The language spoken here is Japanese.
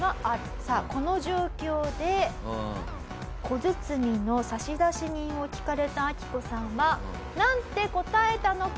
さあこの状況で小包の差出人を聞かれたアキコさんはなんて答えたのか？